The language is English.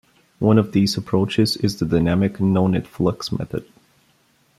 One of these approaches is the dynamic no-net-flux method.